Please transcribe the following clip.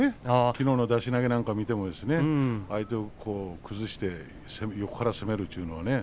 きのうの立ち合いなんかを見ても相手を崩して横から攻めるというのはね。